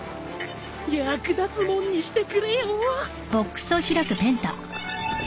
役立つもんにしてくれよ。